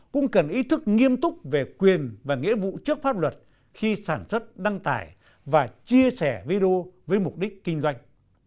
cũng cần ý thức nghiêm túc về quyền và nghĩa vụ trước pháp luật khi sản xuất đăng tải và chia sẻ video với mục đích kinh doanh